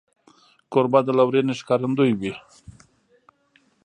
کوربه د لورینې ښکارندوی وي.